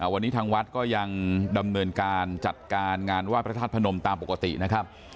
วันนี้ทางวัดก็ยังดำเนินการจัดการงานไหว้พระธาตุพนมตามปกตินะครับ